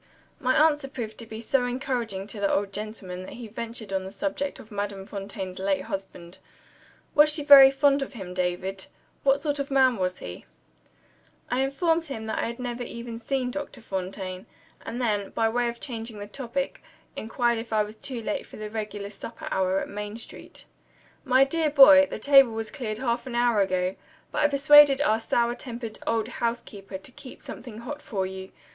My answer proved to be so encouraging to the old gentleman that he ventured on the subject of Madame Fontaine's late husband. "Was she very fond of him, David? What sort of man was he?" I informed him that I had never even seen Dr. Fontaine; and then, by way of changing the topic, inquired if I was too late for the regular supper hour at Main Street. "My dear boy, the table was cleared half an hour ago. But I persuaded our sour tempered old housekeeper to keep something hot for you.